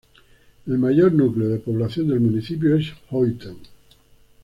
El mayor núcleo de población del municipio es Houten.